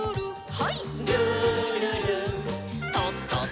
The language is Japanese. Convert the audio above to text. はい。